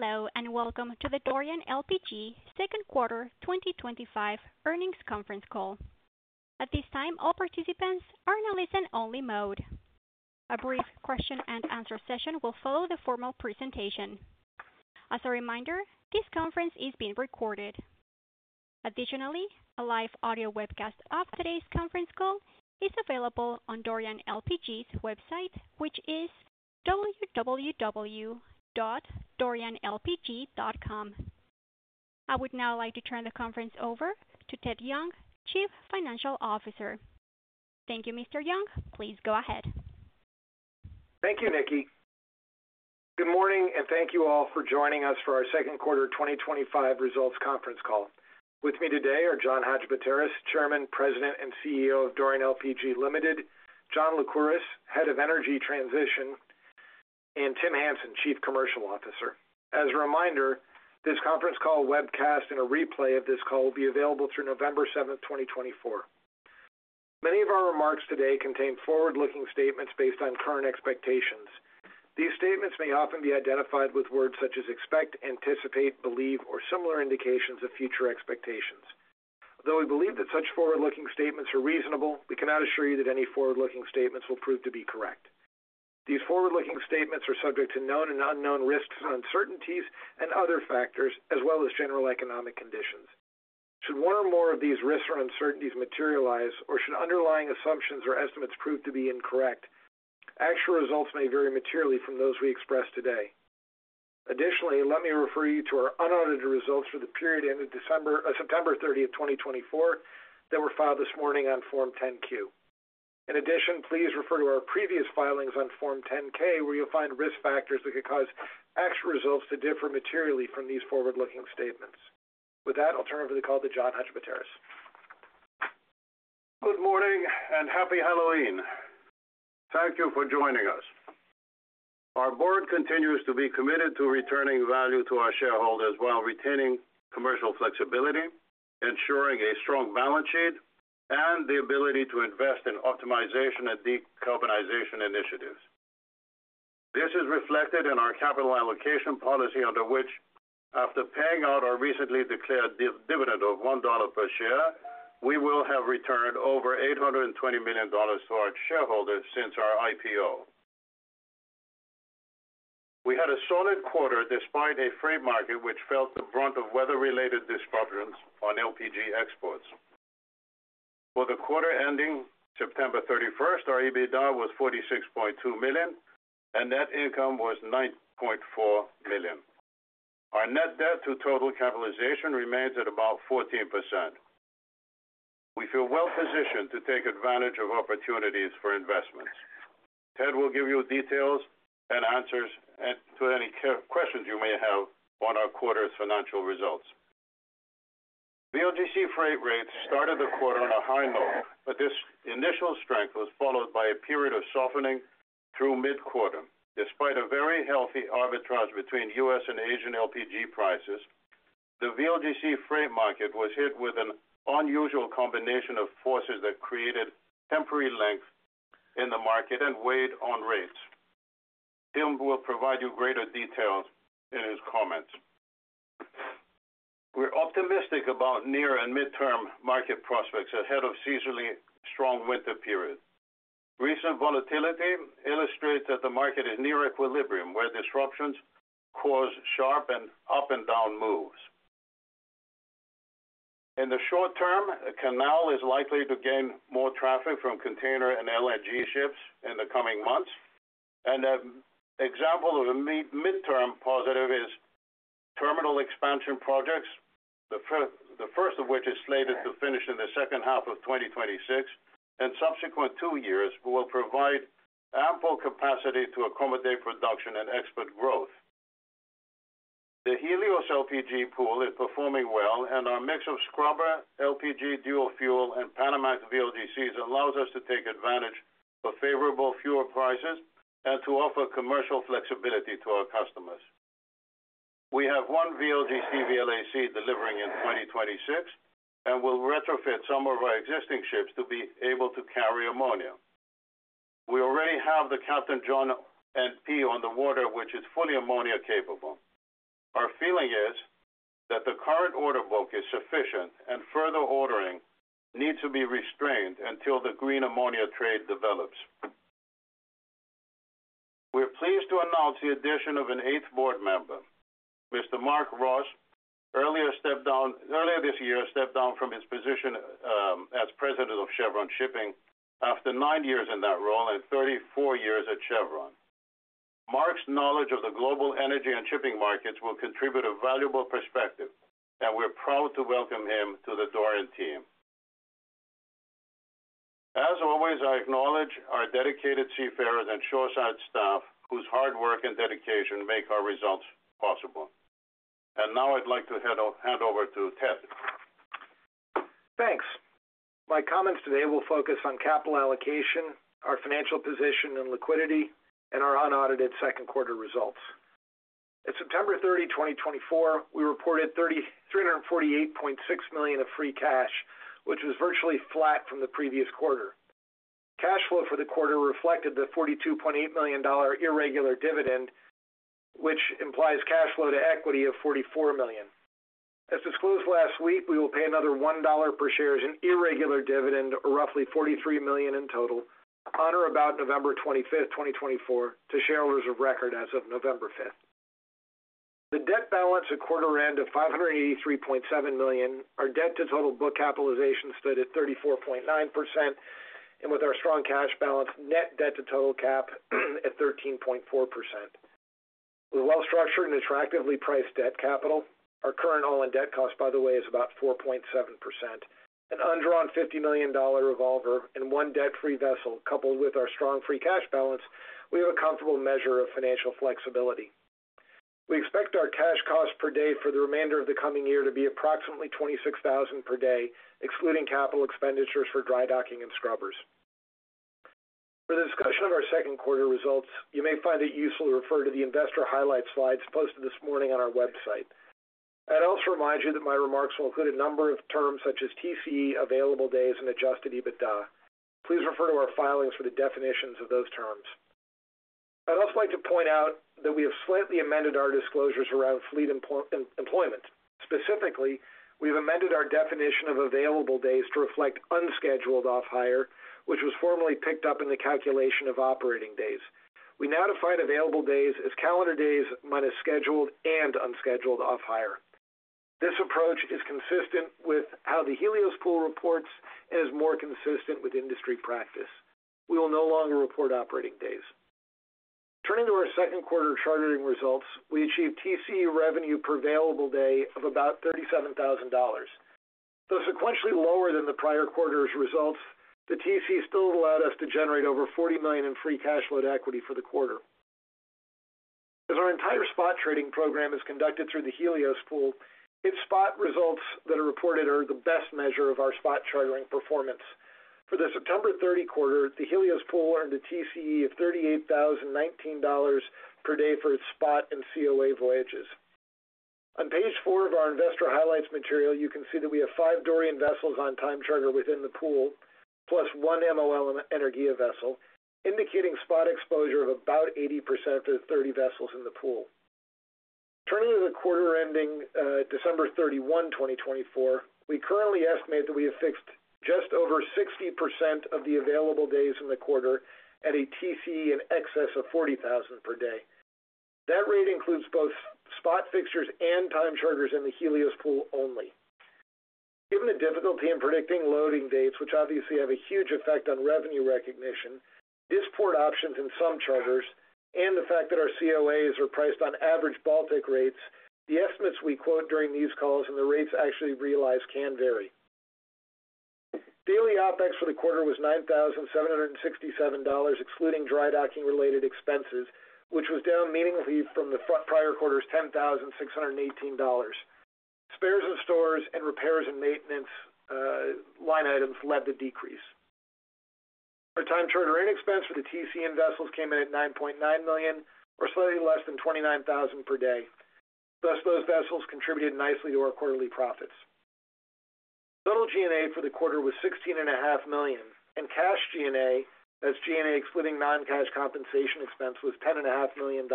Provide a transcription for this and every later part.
Hello and welcome to the Dorian LPG 2nd Quarter 2025 Earnings Conference Call. At this time, all participants are in a listen-only mode. A brief question-and-answer session will follow the formal presentation. As a reminder, this conference is being recorded. Additionally, a live audio webcast of today's conference call is available on Dorian LPG's website, which is www.dorianlpg.com. I would now like to turn the conference over to Ted Young, Chief Financial Officer. Thank you, Mr. Young. Please go ahead. Thank you, Nikki. Good morning, and thank you all for joining us for our 2nd Quarter 2025 Results Conference Call. With me today are John Hadjipateras, Chairman, President, and CEO of Dorian LPG Ltd, John Lycouris, Head of Energy Transition, and Tim Hansen, Chief Commercial Officer. As a reminder, this conference call, webcast, and a replay of this call will be available through November 7th, 2024. Many of our remarks today contain forward-looking statements based on current expectations. These statements may often be identified with words such as expect, anticipate, believe, or similar indications of future expectations. Though we believe that such forward-looking statements are reasonable, we cannot assure you that any forward-looking statements will prove to be correct. These forward-looking statements are subject to known and unknown risks and uncertainties and other factors, as well as general economic conditions. Should one or more of these risks or uncertainties materialize, or should underlying assumptions or estimates prove to be incorrect, actual results may vary materially from those we express today. Additionally, let me refer you to our unaudited results for the period ended September 30th, 2024, that were filed this morning on Form 10-Q. In addition, please refer to our previous filings on Form 10-K, where you'll find risk factors that could cause actual results to differ materially from these forward-looking statements. With that, I'll turn over the call to John Hadjipateras. Good morning and happy Halloween. Thank you for joining us. Our board continues to be committed to returning value to our shareholders while retaining commercial flexibility, ensuring a strong balance sheet, and the ability to invest in optimization and decarbonization initiatives. This is reflected in our capital allocation policy, under which, after paying out our recently declared dividend of $1 per share, we will have returned over $820 million to our shareholders since our IPO. We had a solid quarter despite a free market, which felt the brunt of weather-related disruptions on LPG exports. For the quarter ending September 31st, our EBITDA was $46.2 million, and net income was $9.4 million. Our net debt to total capitalization remains at about 14%. We feel well-positioned to take advantage of opportunities for investments. Ted will give you details and answers to any questions you may have on our quarter's financial results. The VLGC freight rates started the quarter on a high note, but this initial strength was followed by a period of softening through mid-quarter. Despite a very healthy arbitrage between U.S. and Asian LPG prices, the VLGC freight market was hit with an unusual combination of forces that created temporary length in the market and weighed on rates. Tim will provide you greater details in his comments. We're optimistic about near and midterm market prospects ahead of a seasonally strong winter period. Recent volatility illustrates that the market is near equilibrium, where disruptions cause sharp and up-and-down moves. In the short term, the canal is likely to gain more traffic from container and LNG ships in the coming months, and an example of a midterm positive is terminal expansion projects, the first of which is slated to finish in the 2nd half of 2026 and subsequent two years, will provide ample capacity to accommodate production and export growth. The Helios LPG Pool is performing well, and our mix of Scrubber LPG, Dual Fuel, and Panamax VLGCs allows us to take advantage of favorable fuel prices and to offer commercial flexibility to our customers. We have one VLGC VLAC delivering in 2026 and will retrofit some of our existing ships to be able to carry ammonia. We already have the Captain John NP on the water, which is fully ammonia-capable. Our feeling is that the current order book is sufficient, and further ordering needs to be restrained until the green ammonia trade develops. We're pleased to announce the addition of an eighth board member, Mr. Mark Ross, earlier this year stepped down from his position as President of Chevron Shipping after nine years in that role and 34 years at Chevron. Mark's knowledge of the global energy and shipping markets will contribute a valuable perspective, and we're proud to welcome him to the Dorian team. As always, I acknowledge our dedicated seafarers and shoreside staff whose hard work and dedication make our results possible. And now I'd like to hand over to Ted. Thanks. My comments today will focus on capital allocation, our financial position and liquidity, and our unaudited 2nd quarter results. At September 30th, 2024, we reported $348.6 million of free cash, which was virtually flat from the previous quarter. Cash flow for the quarter reflected the $42.8 million irregular dividend, which implies cash flow to equity of $44 million. As disclosed last week, we will pay another $1 per share as an irregular dividend, roughly $43 million in total, on or about November 25, 2024, to shareholders of record as of November 5th. The debt balance at quarter-end of $583.7 million. Our debt-to-total book capitalization stood at 34.9%, and with our strong cash balance, net debt-to-total cap at 13.4%. With well-structured and attractively priced debt capital, our current all-in debt cost, by the way, is about 4.7%. An undrawn $50 million revolver and one debt-free vessel, coupled with our strong free cash balance. We have a comfortable measure of financial flexibility. We expect our cash cost per day for the remainder of the coming year to be approximately $26,000 per day, excluding capital expenditures for dry docking and scrubbers. For the discussion of our 2nd quarter results, you may find it useful to refer to the investor highlight slides posted this morning on our website. I'd also remind you that my remarks will include a number of terms such as TCE, available days, and adjusted EBITDA. Please refer to our filings for the definitions of those terms. I'd also like to point out that we have slightly amended our disclosures around fleet employment. Specifically, we've amended our definition of available days to reflect unscheduled off-hire, which was formerly picked up in the calculation of operating days. We now define available days as calendar days minus scheduled and unscheduled off-hire. This approach is consistent with how the Helios Pool reports and is more consistent with industry practice. We will no longer report operating days. Turning to our 2nd quarter chartering results, we achieved TCE revenue per available day of about $37,000. Though sequentially lower than the prior quarter's results, the TCE still allowed us to generate over $40 million in free cash flow to equity for the quarter. As our entire spot trading program is conducted through the Helios Pool, its spot results that are reported are the best measure of our spot chartering performance. For the September 30th quarter, the Helios Pool earned a TCE of $38,019 per day for its spot and COA voyages. On page four of our investor highlights material, you can see that we have five Dorian vessels on time charter within the pool, plus one MOL Energia vessel, indicating spot exposure of about 80% for the 30 vessels in the pool. Turning to the quarter ending December 31st, 2024, we currently estimate that we have fixed just over 60% of the available days in the quarter at a TCE in excess of $40,000 per day. That rate includes both spot fixtures and time charters in the Helios Pool only. Given the difficulty in predicting loading dates, which obviously have a huge effect on revenue recognition, these port options in some charters, and the fact that our COAs are priced on average Baltic rates, the estimates we quote during these calls and the rates actually realized can vary. Daily OpEx for the quarter was $9,767, excluding dry docking-related expenses, which was down meaningfully from the prior quarter's $10,618. Spares and stores and repairs and maintenance line items led to decrease. Our time charter equivalent spends for the vessels came in at $9.9 million, or slightly less than $29,000 per day. Thus, those vessels contributed nicely to our quarterly profits. Total G&A for the quarter was $16.5 million, and cash G&A, that's G&A excluding non-cash compensation expense, was $10.5 million.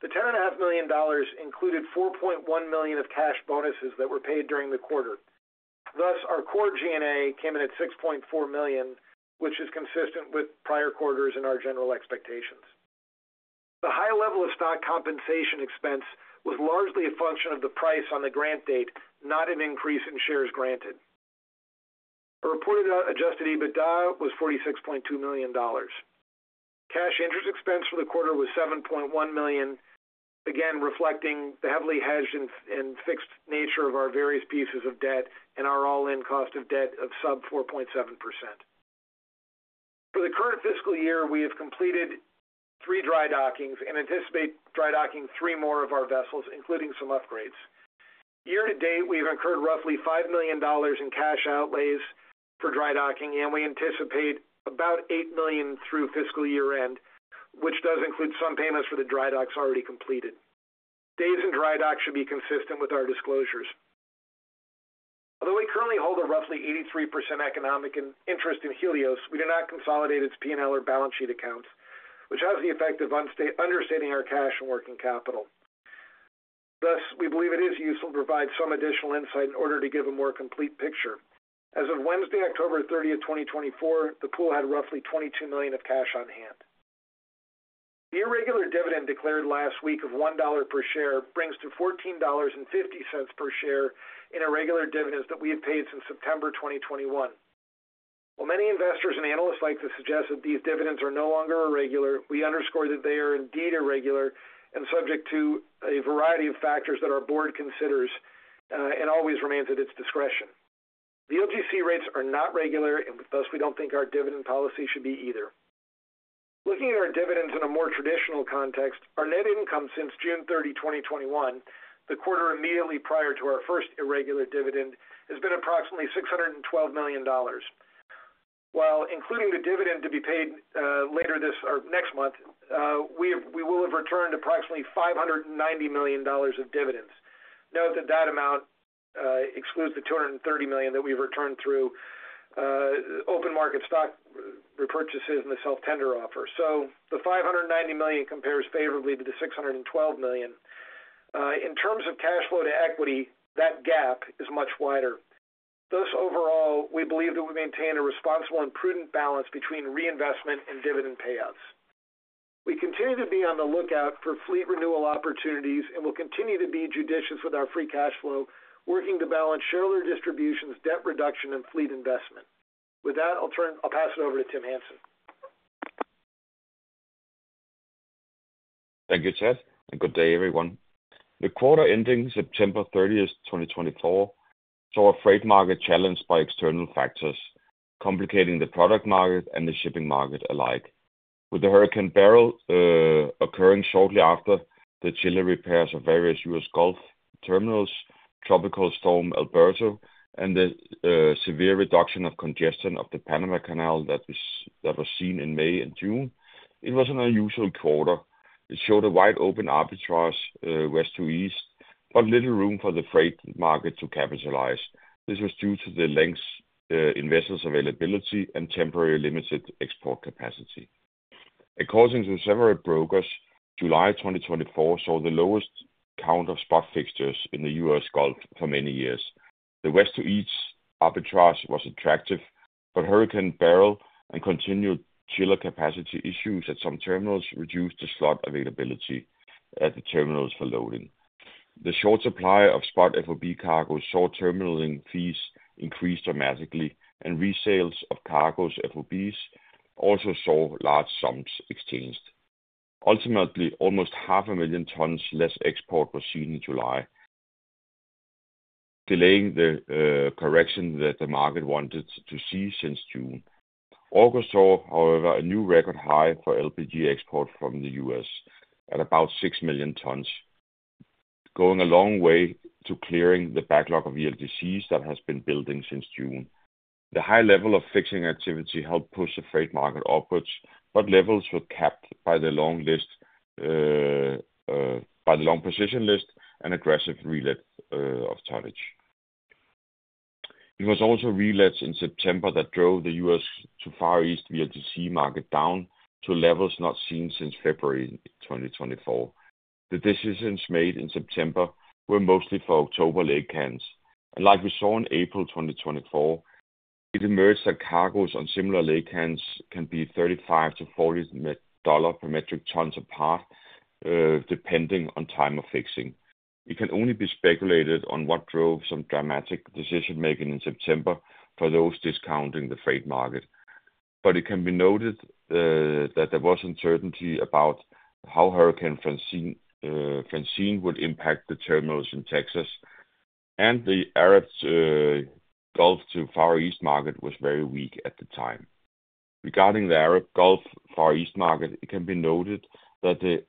The $10.5 million included $4.1 million of cash bonuses that were paid during the quarter. Thus, our core G&A came in at $6.4 million, which is consistent with prior quarters and our general expectations. The high level of stock compensation expense was largely a function of the price on the grant date, not an increase in shares granted. As reported adjusted EBITDA was $46.2 million. Cash interest expense for the quarter was $7.1 million, again reflecting the heavily hedged and fixed nature of our various pieces of debt and our all-in cost of debt of sub-4.7%. For the current fiscal year, we have completed three dry dockings and anticipate dry docking three more of our vessels, including some upgrades. Year-to-date, we have incurred roughly $5 million in cash outlays for dry docking, and we anticipate about $8 million through fiscal year end, which does include some payments for the dry docks already completed. Days in dry dock should be consistent with our disclosures. Although we currently hold a roughly 83% economic interest in Helios, we do not consolidate its P&L or balance sheet accounts, which has the effect of understating our cash and working capital. Thus, we believe it is useful to provide some additional insight in order to give a more complete picture. As of Wednesday, October 30th, 2024, the pool had roughly $22 million of cash on hand. The irregular dividend declared last week of $1 per share brings to $14.50 per share in irregular dividends that we have paid since September 2021. While many investors and analysts like to suggest that these dividends are no longer irregular, we underscore that they are indeed irregular and subject to a variety of factors that our board considers and always remains at its discretion. The VLGC rates are not regular, and thus we don't think our dividend policy should be either. Looking at our dividends in a more traditional context, our net income since June 30th, 2021, the quarter immediately prior to our first irregular dividend, has been approximately $612 million. While including the dividend to be paid later this or next month, we will have returned approximately $590 million of dividends. Note that that amount excludes the $230 million that we've returned through open market stock repurchases and the self-tender offer. So the $590 million compares favorably to the $612 million. In terms of cash flow to equity, that gap is much wider. Thus, overall, we believe that we maintain a responsible and prudent balance between reinvestment and dividend payouts. We continue to be on the lookout for fleet renewal opportunities and will continue to be judicious with our free cash flow, working to balance shareholder distributions, debt reduction, and fleet investment. With that, I'll pass it over to Tim Hansen. Thank you, Ted, and good day, everyone. The quarter ending September 30th, 2024 saw a freight market challenged by external factors, complicating the product market and the shipping market alike. With Hurricane Beryl occurring shortly after the chiller repairs of various U.S. Gulf terminals, Tropical Storm Alberto, and the severe reduction of congestion of the Panama Canal that was seen in May and June, it was an unusual quarter. It showed a wide open arbitrage West to East, but little room for the freight market to capitalize. This was due to the lengths in vessels' availability and temporary limited export capacity. According to several brokers, July 2024 saw the lowest count of spot fixtures in the U.S. Gulf for many years. The West to East arbitrage was attractive, but Hurricane Beryl and continued chiller capacity issues at some terminals reduced the slot availability at the terminals for loading. The short supply of spot FOB cargoes saw terminal fees increase dramatically, and resales of cargoes, FOBs, also saw large sums exchanged. Ultimately, almost 500,000 tons less export was seen in July, delaying the correction that the market wanted to see since June. August saw, however, a new record high for LPG export from the U.S. at about 6 million tons, going a long way to clearing the backlog of VLGCs that has been building since June. The high level of fixing activity helped push the freight market upwards, but levels were capped by the long position list and aggressive relet of tonnage. It was also relets in September that drove the U.S. to Far East VLGC market down to levels not seen since February 2024. The decisions made in September were mostly for October laycans. Like we saw in April 2024, it emerged that cargoes on similar VLGCs can be $35-$40 per metric ton apart, depending on time of fixing. It can only be speculated on what drove some dramatic decision-making in September for those discounting the freight market, but it can be noted that there was uncertainty about how Hurricane Francine would impact the terminals in Texas, and the Arab Gulf to Far East market was very weak at the time. Regarding the Arab Gulf, Far East market, it can be noted that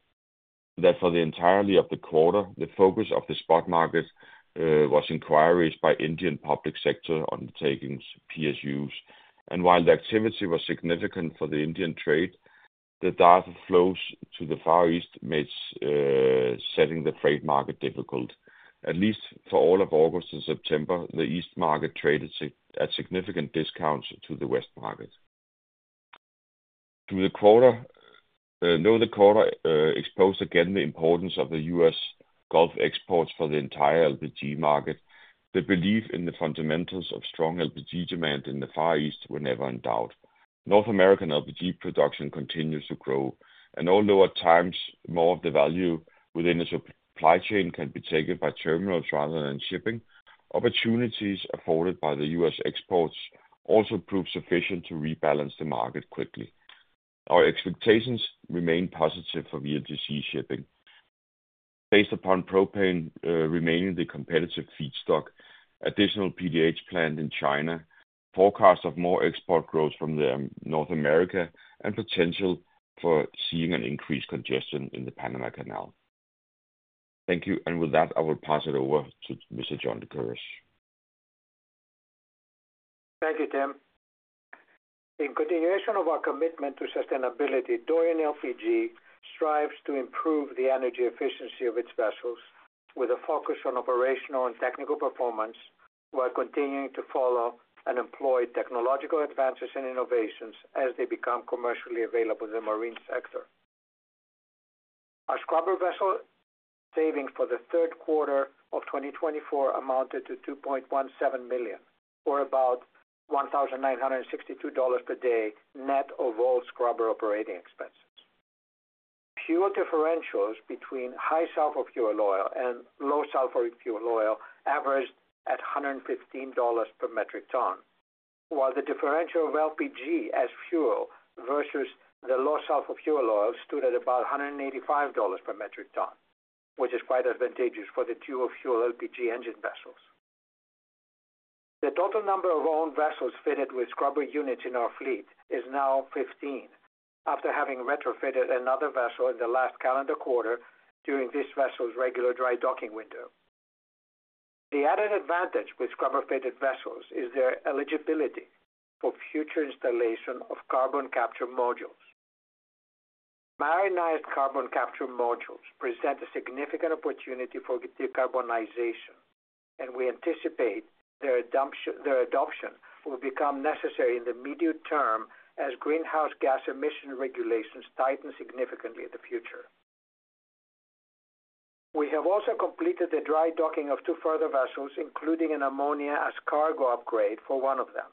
for the entirety of the quarter, the focus of the spot market was inquiries by Indian public sector undertakings, PSUs, and while the activity was significant for the Indian trade, the data flows to the Far East made setting the freight market difficult. At least for all of August and September, the East market traded at significant discounts to the West market. Through the quarter, though the quarter exposed again the importance of the U.S. Gulf exports for the entire LPG market, the belief in the fundamentals of strong LPG demand in the Far East were never in doubt. North American LPG production continues to grow, and although at times more of the value within the supply chain can be taken by terminals rather than shipping, opportunities afforded by the U.S. exports also proved sufficient to rebalance the market quickly. Our expectations remain positive for VLGC shipping, based upon propane remaining the competitive feedstock, additional PDH planned in China, forecasts of more export growth from North America, and potential for seeing an increased congestion in the Panama Canal. Thank you. And with that, I will pass it over to Mr. John Lycouris. Thank you, Tim. In continuation of our commitment to sustainability, Dorian LPG strives to improve the energy efficiency of its vessels with a focus on operational and technical performance while continuing to follow and employ technological advances and innovations as they become commercially available in the marine sector. Our scrubber vessel savings for the 3r`d quarter of 2024 amounted to $2.17 million, or about $1,962 per day net of all scrubber operating expenses. Fuel differentials between high sulfur fuel oil and low sulfur fuel oil averaged at $115 per metric ton, while the differential of LPG as fuel versus the low sulfur fuel oil stood at about $185 per metric ton, which is quite advantageous for the dual fuel LPG engine vessels. The total number of owned vessels fitted with scrubber units in our fleet is now 15, after having retrofitted another vessel in the last calendar quarter during this vessel's regular dry docking window. The added advantage with scrubber-fitted vessels is their eligibility for future installation of carbon capture modules. Marinized carbon capture modules present a significant opportunity for decarbonization, and we anticipate their adoption will become necessary in the immediate term as greenhouse gas emission regulations tighten significantly in the future. We have also completed the dry docking of two further vessels, including an ammonia as cargo upgrade for one of them.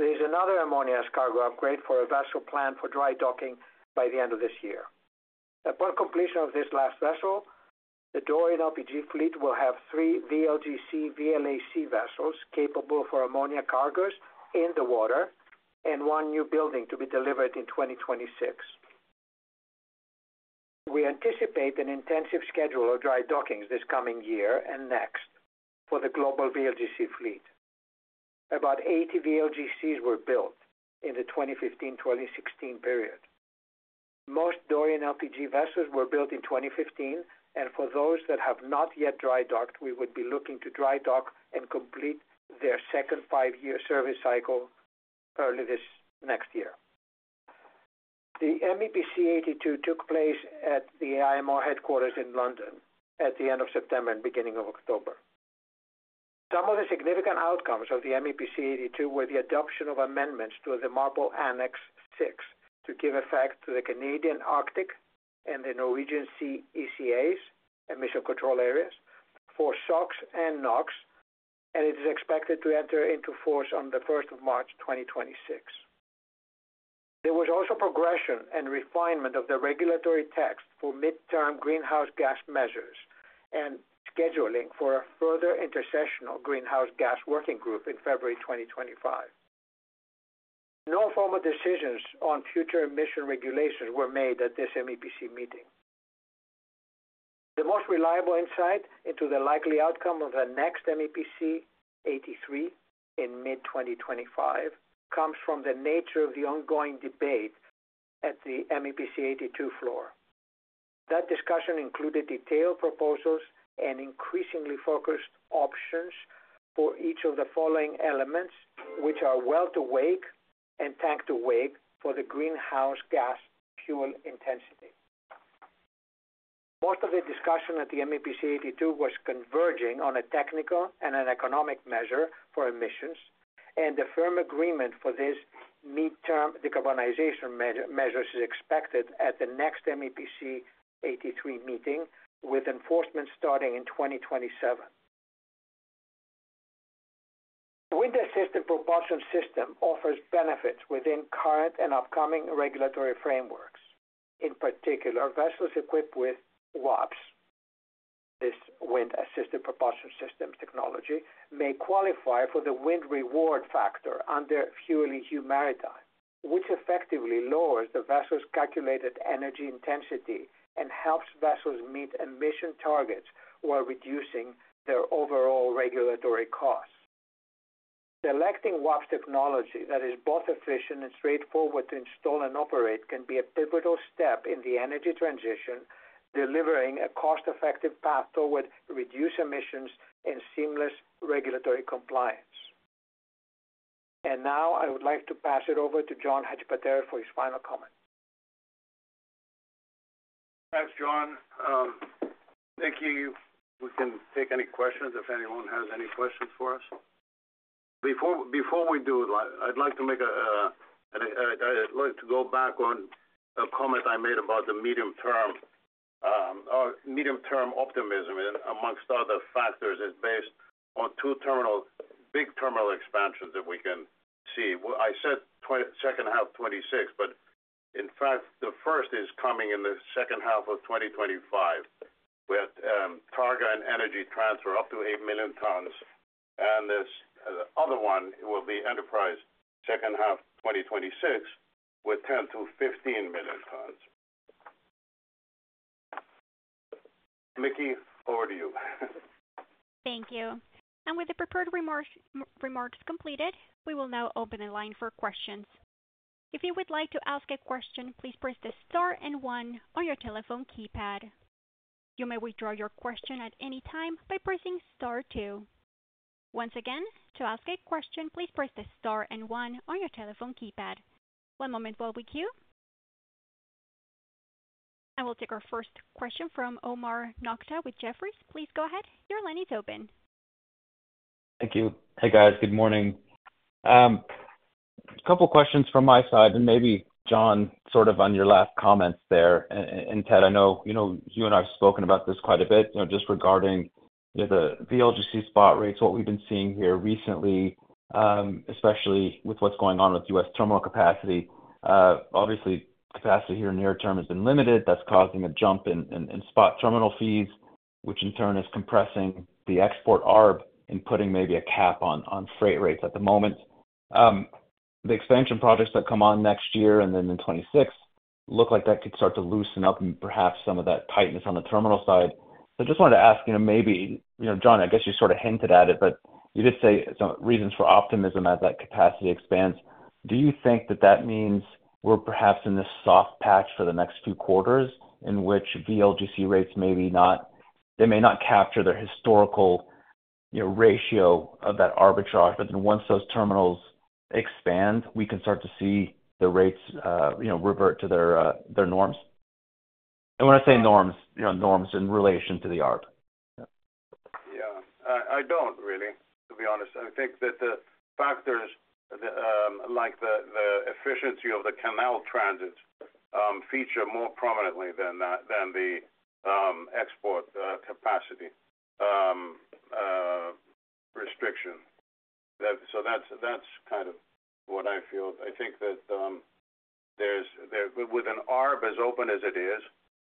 There is another ammonia as cargo upgrade for a vessel planned for dry docking by the end of this year. Upon completion of this last vessel, the Dorian LPG fleet will have three VLGC/VLAC vessels capable for ammonia cargoes in the water and one new building to be delivered in 2026. We anticipate an intensive schedule of dry dockings this coming year and next for the global VLGC fleet. About 80 VLGCs were built in the 2015-2016 period. Most Dorian LPG vessels were built in 2015, and for those that have not yet dry docked, we would be looking to dry dock and complete their second five-year service cycle early this next year. The MEPC 82 took place at the IMO headquarters in London at the end of September and beginning of October. Some of the significant outcomes of the MEPC 82 were the adoption of amendments to the MARPOL Annex VI to give effect to the Canadian Arctic and the Norwegian ECAs, emission control areas, for SOx and NOx, and it is expected to enter into force on the 1st of March 2026. There was also progression and refinement of the regulatory text for midterm greenhouse gas measures and scheduling for a further intersessional greenhouse gas working group in February 2025. No formal decisions on future emission regulations were made at this MEPC meeting. The most reliable insight into the likely outcome of the next MEPC 83 in mid-2025 comes from the nature of the ongoing debate at the MEPC 82 floor. That discussion included detailed proposals and increasingly focused options for each of the following elements, which are Well-to-Wake and Tank-to-Wake for the greenhouse gas fuel intensity. Most of the discussion at the MEPC 82 was converging on a technical and an economic measure for emissions, and a firm agreement for these midterm decarbonization measures is expected at the next MEPC 83 meeting, with enforcement starting in 2027. The WAPS wind assisted propulsion system offers benefits within current and upcoming regulatory frameworks. In particular, vessels equipped with WAPS, this wind assisted propulsion system technology, may qualify for the wind reward factor under FuelEU Maritime, which effectively lowers the vessel's calculated energy intensity and helps vessels meet emission targets while reducing their overall regulatory costs. Selecting WAPS technology that is both efficient and straightforward to install and operate can be a pivotal step in the energy transition, delivering a cost-effective path toward reduced emissions and seamless regulatory compliance. And now I would like to pass it over to John Hadjipateras for his final comment. Thanks, John. Thank you. We can take any questions if anyone has any questions for us. Before we do, I'd like to make a—I'd like to go back on a comment I made about the medium-term optimism amongst other factors is based on two big terminal expansions that we can see. I said 2nd half 2026, but in fact, the first is coming in the 2nd half of 2025 with Targa and Energy Transfer up to 8 million tons. And the other one will be Enterprise 2nd half 2026 with 10 miilion-15 million tons. Nikki, over to you. Thank you. And with the prepared remarks completed, we will now open the line for questions. If you would like to ask a question, please press the star and one on your telephone keypad. You may withdraw your question at any time by pressing star two. Once again, to ask a question, please press the star and one on your telephone keypad. One moment while we queue. And we'll take our first question from Omar Nokta with Jefferies. Please go ahead. Your line is open. Thank you. Hey, guys. Good morning. A couple of questions from my side, and maybe, John, sort of on your last comments there, and Ted, I know you and I have spoken about this quite a bit just regarding the VLGC spot rates, what we've been seeing here recently, especially with what's going on with U.S. terminal capacity. Obviously, capacity here near term has been limited. That's causing a jump in spot terminal fees, which in turn is compressing the export ARB and putting maybe a cap on freight rates at the moment. The expansion projects that come on next year and then in 2026 look like that could start to loosen up and perhaps some of that tightness on the terminal side. So I just wanted to ask, maybe, John. I guess you sort of hinted at it, but you did say some reasons for optimism as that capacity expands. Do you think that that means we're perhaps in this soft patch for the next few quarters in which VLGC rates, maybe not, they may not capture their historical ratio of that arbitrage, but then once those terminals expand, we can start to see the rates revert to their norms? And when I say norms, norms in relation to the ARB. Yeah. I don't, really, to be honest. I think that the factors like the efficiency of the canal transit feature more prominently than the export capacity restriction. So that's kind of what I feel. I think that with an ARB as open as it is,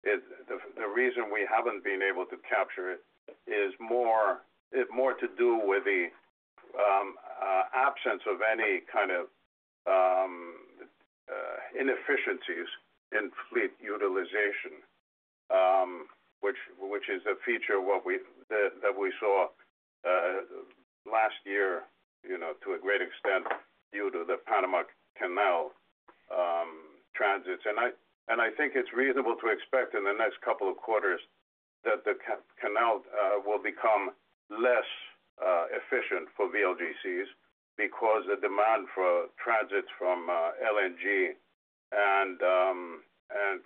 the reason we haven't been able to capture it is more to do with the absence of any kind of inefficiencies in fleet utilization, which is a feature that we saw last year to a great extent due to the Panama Canal transits. And I think it's reasonable to expect in the next couple of quarters that the canal will become less efficient for VLGCs because the demand for transits from LNG and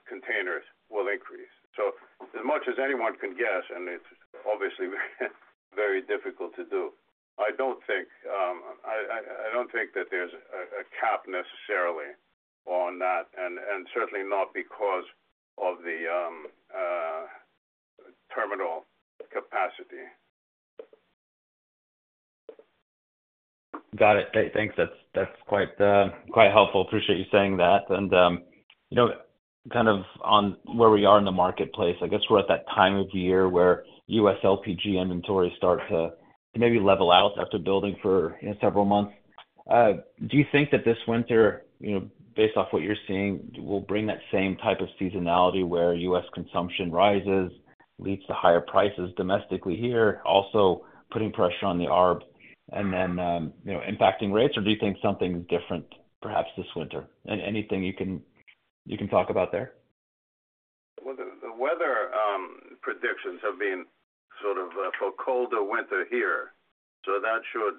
containers will increase. So as much as anyone can guess, and it's obviously very difficult to do, I don't think that there's a cap necessarily on that, and certainly not because of the terminal capacity. Got it. Thanks. That's quite helpful. Appreciate you saying that. And kind of on where we are in the marketplace, I guess we're at that time of year where U.S. LPG inventories start to maybe level out after building for several months. Do you think that this winter, based off what you're seeing, will bring that same type of seasonality where U.S. consumption rises, leads to higher prices domestically here, also putting pressure on the ARB and then impacting rates, or do you think something's different perhaps this winter? Anything you can talk about there? The weather predictions have been sort of for colder winter here, so that should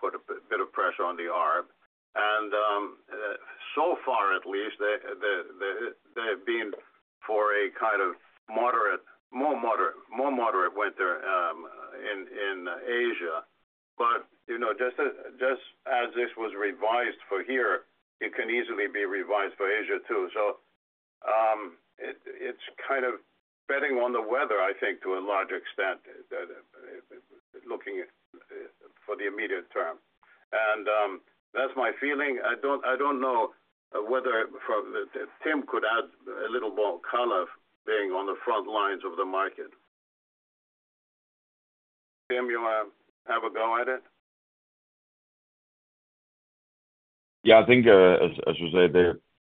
put a bit of pressure on the ARB. So far, at least, there have been for a kind of more moderate winter in Asia. Just as this was revised for here, it can easily be revised for Asia too. It's kind of betting on the weather, I think, to a large extent, looking for the immediate term. That's my feeling. I don't know whether Tim could add a little more color being on the front lines of the market. Tim, you want to have a go at it? Yeah. I think, as you said,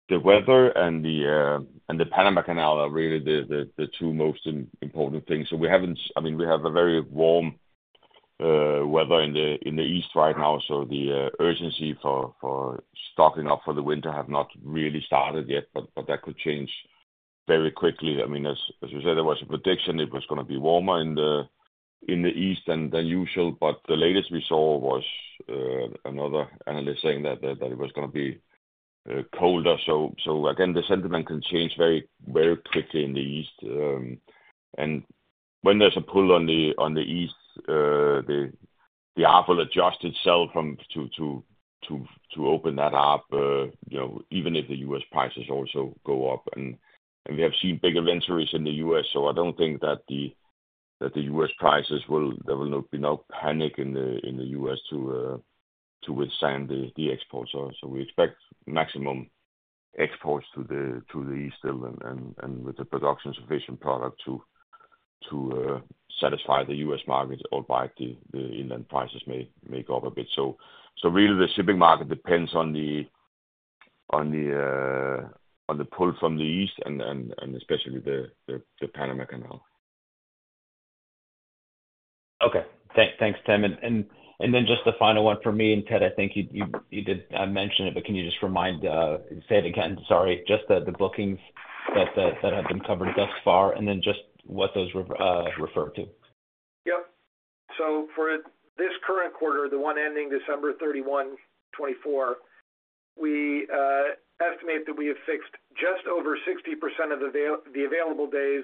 the weather and the Panama Canal are really the two most important things. So we haven't - I mean, we have a very warm weather in the east right now, so the urgency for stocking up for the winter has not really started yet, but that could change very quickly. I mean, as you said, there was a prediction it was going to be warmer in the east than usual, but the latest we saw was another analyst saying that it was going to be colder. So again, the sentiment can change very quickly in the east. And when there's a pull on the east, the ARB will adjust itself to open that up, even if the U.S. prices also go up. And we have seen big events in the U.S., so I don't think that the U.S. prices will double up. There will be no panic in the U.S. to withstand the exports. So we expect maximum exports to the east still, and with the production sufficient product to satisfy the U.S. market, although the inland prices may go up a bit. So really, the shipping market depends on the pull from the east, and especially the Panama Canal. Okay. Thanks, Tim. And then just the final one for me. And Ted, I think you did mention it, but can you just remind, say it again, sorry, just the bookings that have been covered thus far, and then just what those refer to. Yep. So for this current quarter, the one ending December 31st, 2024, we estimate that we have fixed just over 60% of the available days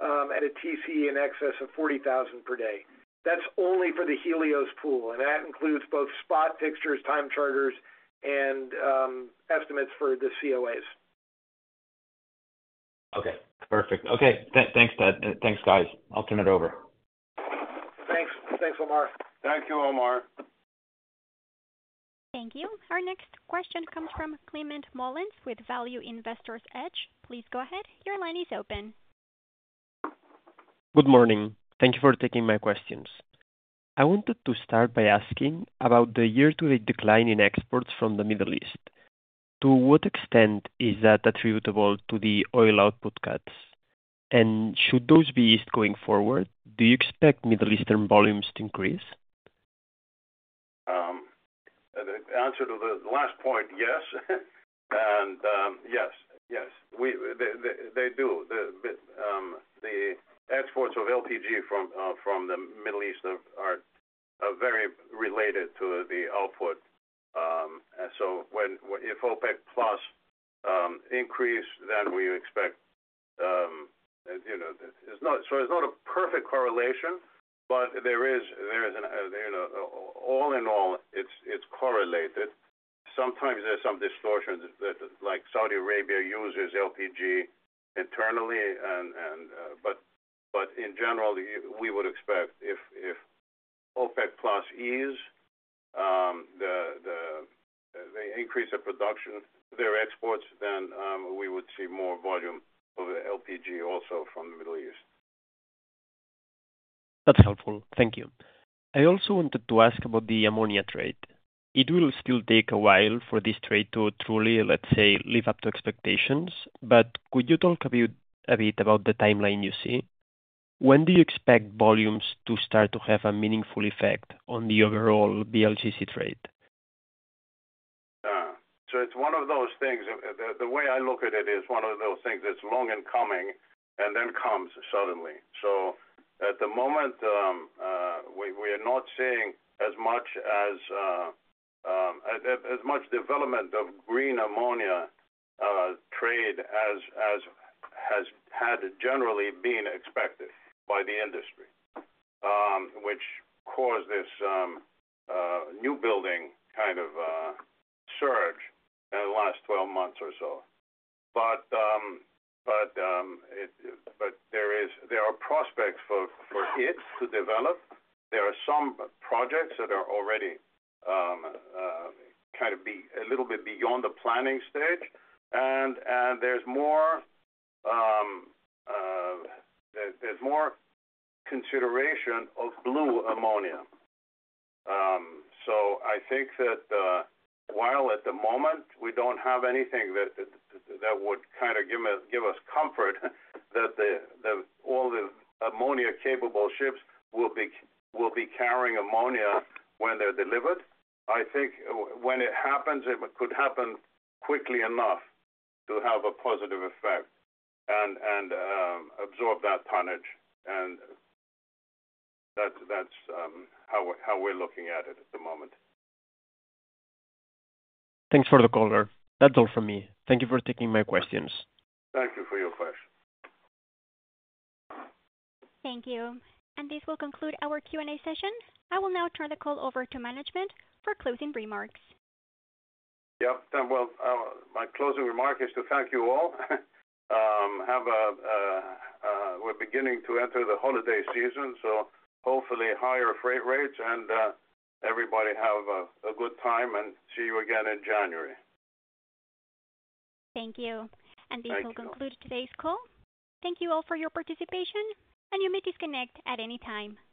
at a TCE in excess of $40,000 per day. That's only for the Helios Pool, and that includes both spot fixtures, time charters, and estimates for the COAs. Okay. Perfect. Okay. Thanks, Ted. Thanks, guys. I'll turn it over. Thanks. Thanks, Omar. Thank you, Omar. Thank you. Our next question comes from Climent Molins with Value Investor's Edge. Please go ahead. Your line is open. Good morning. Thank you for taking my questions. I wanted to start by asking about the year-to-date decline in exports from the Middle East. To what extent is that attributable to the oil output cuts? And should those be eased going forward, do you expect Middle Eastern volumes to increase? The answer to the last point, yes. And yes, yes. They do. The exports of LPG from the Middle East are very related to the output. So if OPEC+ increase, then we expect, so it's not a perfect correlation, but there is, all in all, it's correlated. Sometimes there's some distortions, like Saudi Arabia uses LPG internally, but in general, we would expect if OPEC+ eases the increase of production, their exports, then we would see more volume of LPG also from the Middle East. That's helpful. Thank you. I also wanted to ask about the ammonia trade. It will still take a while for this trade to truly, let's say, live up to expectations, but could you talk a bit about the timeline you see? When do you expect volumes to start to have a meaningful effect on the overall VLGC trade? It's one of those things. The way I look at it is one of those things that's long in coming and then comes suddenly. At the moment, we are not seeing as much development of green ammonia trade as has generally been expected by the industry, which caused this new building kind of surge in the last 12 months or so. But there are prospects for it to develop. There are some projects that are already kind of a little bit beyond the planning stage, and there's more consideration of blue ammonia. I think that while at the moment we don't have anything that would kind of give us comfort that all the ammonia-capable ships will be carrying ammonia when they're delivered, I think when it happens, it could happen quickly enough to have a positive effect and absorb that tonnage. That's how we're looking at it at the moment. Thanks for the caller. That's all from me. Thank you for taking my questions. Thank you for your question. Thank you. And this will conclude our Q&A session. I will now turn the call over to management for closing remarks. Yep. Well, my closing remark is to thank you all. We're beginning to enter the holiday season, so hopefully higher freight rates, and everybody have a good time, and see you again in January. Thank you. And this will conclude today's call. Thank you all for your participation, and you may disconnect at any time.